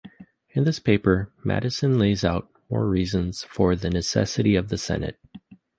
In this paper, Madison lays out more reasons for the necessity of the Senate.